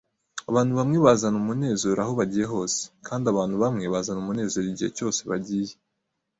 Abantu bamwe bazana umunezero aho bagiye hose, kandi abantu bamwe bazana umunezero igihe cyose bagiye.